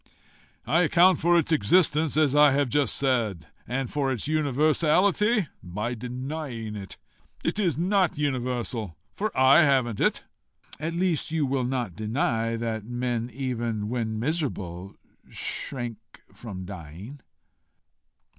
"I account for its existence as I have just said; and for its universality by denying it. It is NOT universal, for I haven't it." "At least you will not deny that men, even when miserable, shrink from dying?"